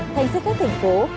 thay xe khách thành phố